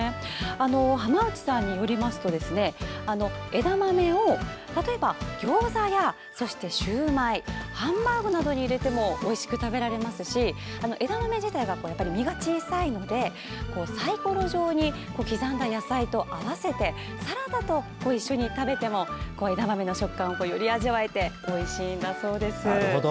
浜内さんによりますと、枝豆を例えばぎょうざやしゅうまいハンバーグなどに入れてもおいしく食べられますし枝豆自体の実が小さいのでサイコロ状に刻んだ野菜と合わせてサラダと一緒に食べても枝豆の食感を味わえておいしいんだそうです。